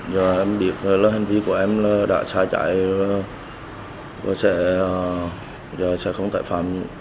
giờ em biết là hành vi của em đã xa chạy rồi giờ sẽ không tội phạm